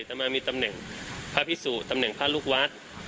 ต่อมามีตำแหน่งพระพิสุตำแหน่งพระลูกวัด